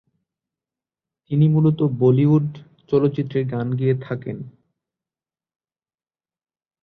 তিনি মূলত বলিউড চলচ্চিত্রের গান গেয়ে থাকেন।